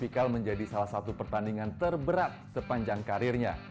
karena memang dia berkemampuan